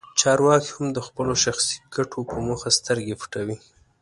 چارواکي هم د خپلو شخصي ګټو په موخه سترګې پټوي.